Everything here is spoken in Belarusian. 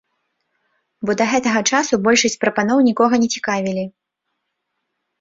Бо да гэтага часу большасць прапаноў нікога не цікавілі.